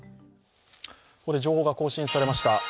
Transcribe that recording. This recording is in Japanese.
ここで情報が更新されました。